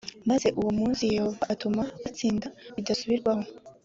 f maze uwo munsi yehova atuma batsinda bidasubirwaho